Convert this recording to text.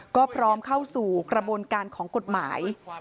ก็พร้อมเข้าสู่กระบวนการของกฎหมาย